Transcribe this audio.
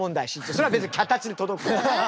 それは別に脚立で届く！